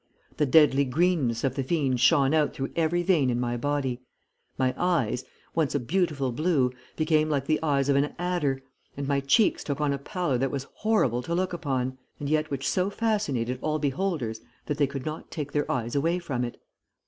The deadly greenness of the fiend shone out through every vein in my body. My eyes, once a beautiful blue, became like the eyes of an adder, and my cheeks took on a pallor that was horrible to look upon, and yet which so fascinated all beholders that they could not take their eyes away from it.